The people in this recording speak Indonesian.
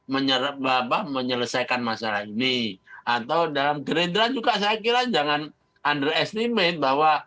menyerap apa menyelesaikan masalah ini atau dalam gerindran juga saya kira jangan underestimate bahwa